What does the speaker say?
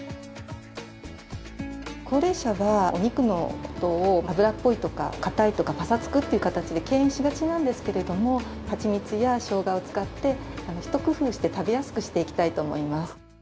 高齢者はお肉の事を脂っこいとか硬いとかパサつくっていう形で敬遠しがちなんですけれどもはちみつやしょうがを使ってひと工夫して食べやすくしていきたいと思います。